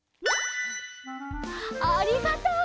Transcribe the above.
ありがとう！